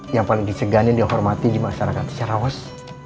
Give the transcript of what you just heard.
yang paling disegani dan dihormati di masyarakat sarawas